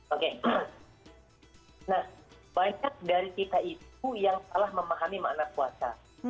oke nah banyak dari kita itu yang salah memahami makna puasa